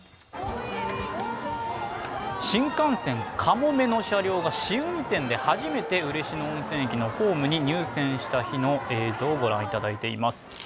新幹線「かもめ」の車両が試運転で初めて嬉野温泉駅に入線した日の映像をご覧いただいています。